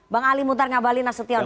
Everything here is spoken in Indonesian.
bang ali mutarnyabali nasution